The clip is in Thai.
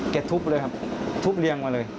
ทุบเลยครับทุบเรียงมาเลย